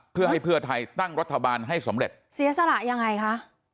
เพื่อให้เพื่อไทยตั้งรัฐบาลให้สำเร็จเสียสละยังไงคะ